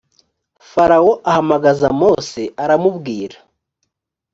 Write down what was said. farawo ahamagaza mose aramubwira .